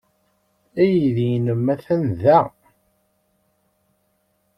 Aydi-nnem atan da.